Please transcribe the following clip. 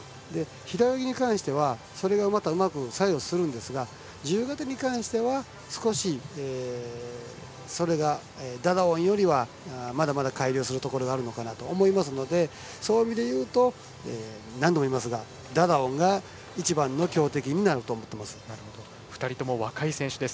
平泳ぎに関してはそれがまたうまく作用しますが自由形に関しては少しそれが、ダダオンよりはまだまだ改良するところがあるのかなと思いますのでそういう意味で言うと何度も言いますがダダオンが２人とも若い選手です。